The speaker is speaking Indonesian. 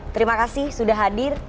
terima kasih sudah hadir